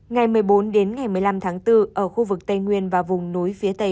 ngày một mươi bốn đến ngày một mươi năm tháng bốn ở khu vực tây nguyên và vùng núi phía tây